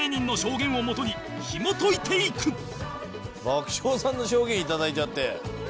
爆笑さんの証言いただいちゃって。